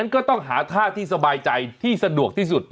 ก็ต้องหาท่าที่สบายใจที่สะดวกที่สุด